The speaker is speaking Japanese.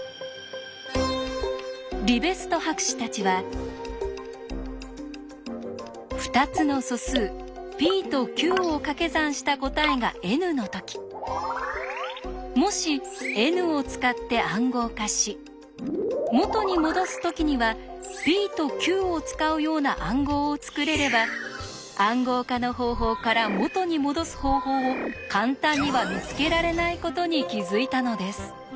リベスト博士たちは２つの素数ｐとｑをかけ算した答えがＮの時もしＮを使って暗号化し元にもどす時にはｐとｑを使うような暗号を作れれば「暗号化の方法」から「元にもどす方法」を簡単には見つけられないことに気付いたのです。